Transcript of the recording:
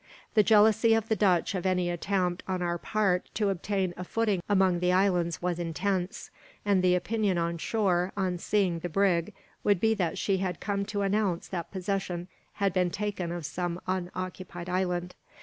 The jealousy of the Dutch of any attempt, on our part, to obtain a footing among the islands was intense; and the opinion on shore, on seeing the brig, would be that she had come to announce that possession had been taken of some unoccupied island.